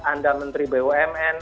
anda menteri bumn